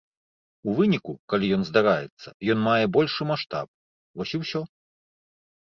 У выніку, калі ён здараецца, ён мае большы маштаб, вось і ўсё.